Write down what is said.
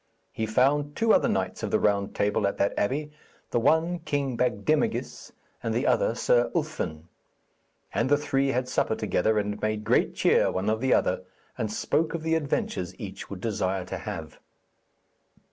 He found two other knights of the Round Table at that abbey, the one King Bagdemagus and the other Sir Ulfin; and the three had supper together, and made great cheer one of the other, and spoke of the adventures each would desire to have.